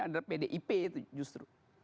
ada pdip itu justru